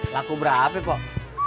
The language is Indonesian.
laku berapa kok